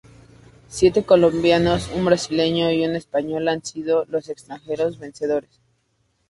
Siete colombianos, un brasileño y un español han sido los extranjeros vencedores.